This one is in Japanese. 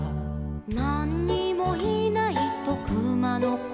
「なんにもいないとくまのこは」